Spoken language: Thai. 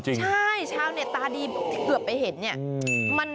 ใช่ชาวเน็ตตาดีเกือบไปเห็นเนี่ย